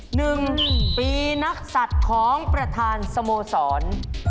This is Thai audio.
หนึ่งปีนักศัตริย์ของประธานสโมสร